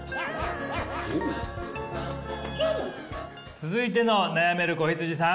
続いての悩める子羊さん。